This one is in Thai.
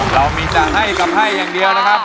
เรามีจะให้กับให้อย่างเดียวนะครับ